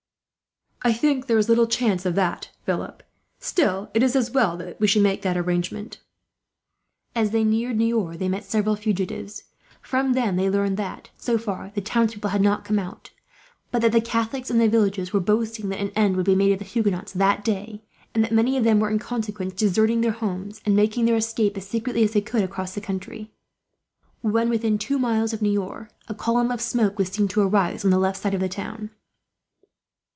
"I think there is little chance of that, Philip; still, it as well that we should make that arrangement." As they neared Niort, they met several fugitives. From them they learned that, so far, the townspeople had not come out; but that the Catholics in the villages were boasting that an end would be made of the Huguenots that day, and that many of them were, in consequence, deserting their homes and making their escape, as secretly as they could, across the country. When within two miles of Niort, a column of smoke was seen to arise on the left of the town.